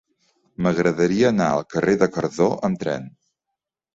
M'agradaria anar al carrer de Cardó amb tren.